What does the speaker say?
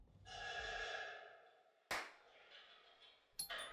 Naproti tomu rotor je součást pohyblivá.